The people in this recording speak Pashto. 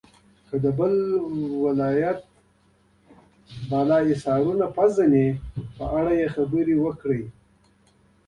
که د بل ولایت بالا حصارونه پیژنئ په اړه یې خبرې وکړئ.